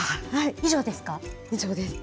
以上ですか？